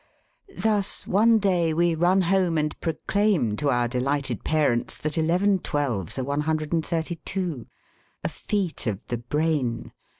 Thus one day we run home and proclaim to our delighted parents that eleven twelves are 132. A feat of the brain!